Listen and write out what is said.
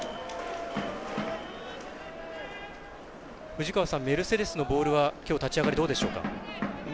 藤川さん、メルセデスのボールはきょう立ち上がりどうでしょうか。